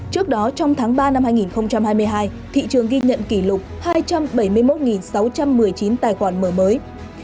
trước đó trong tháng ba năm hai nghìn hai mươi hai thị trường ghi nhận kỷ lục hai trăm bảy mươi một sáu trăm một mươi chín tài khoản mở mới